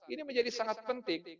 ini menjadi sangat penting